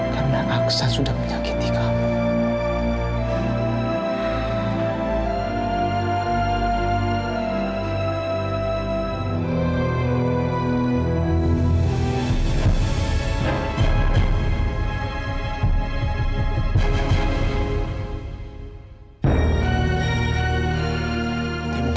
karena aksan sudah menyakiti kamu